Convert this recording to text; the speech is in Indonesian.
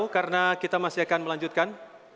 karena kita masih akan melanjutkan